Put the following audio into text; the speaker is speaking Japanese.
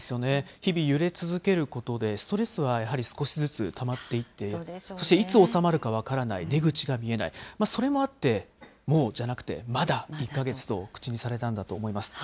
日々、揺れ続けることでストレスはやはり少しずつたまっていって、そしていつ収まるか分からない、出口が見えない、それもあって、もうじゃなくてまだ１か月と口にされたんだと思います。